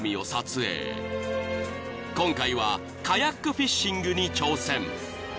［今回はカヤックフィッシングに挑戦］